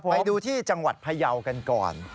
ไปดูที่จังหวัดพยาวกันก่อน